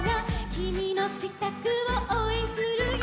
「きみのしたくをおうえんするよ」